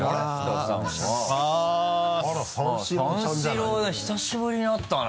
三四郎久しぶりに会ったな。